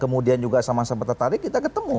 kemudian juga sama sama tertarik kita ketemu